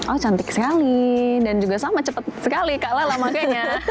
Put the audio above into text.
oh cantik sekali dan juga sama cepat sekali kak lela makanya